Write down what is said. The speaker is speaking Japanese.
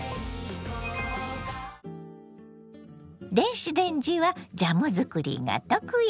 電子レンジはジャム作りが得意。